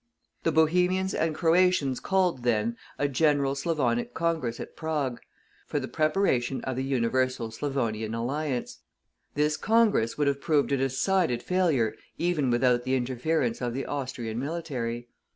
The Bohemians and Croatians called, then, a general Slavonic Congress at Prague, for the preparation of the universal Slavonian Alliance. This Congress would have proved a decided failure even without the interference of the Austrian military.